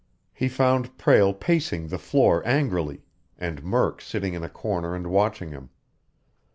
He found Prale pacing the floor angrily, and Murk sitting in a corner and watching him.